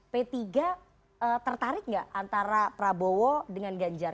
p tiga tertarik nggak antara prabowo dengan ganjar